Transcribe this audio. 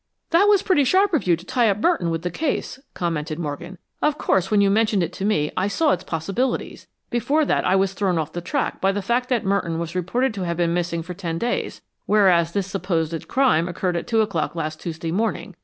"That was pretty sharp of you to tie up Merton with the case," commented Morgan. "Of course, when you mentioned it to me I saw its possibilities. Before that I was thrown off the track by the fact that Merton was reported to have been missing for ten days, whereas this supposed crime occurred at two o'clock last Tuesday morning.